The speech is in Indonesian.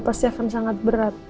pasti akan sangat berat